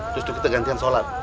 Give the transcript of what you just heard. terus kita gantian sholat